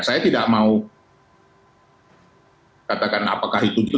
saya tidak mau katakan apakah itu juga